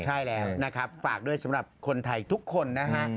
ใช่แล้วนะครับฝากด้วยสำหรับคนไทยทุกคนนะฮะ